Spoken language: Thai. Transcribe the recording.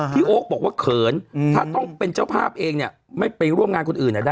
โอ๊คบอกว่าเขินถ้าต้องเป็นเจ้าภาพเองเนี่ยไม่ไปร่วมงานคนอื่นได้